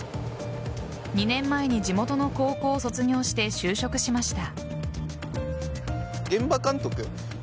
２年前に地元の高校を卒業して就職しました。